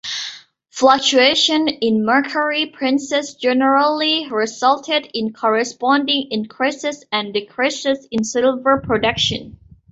Fluctuations in mercury prices generally resulted in corresponding increases and decreases in silver production.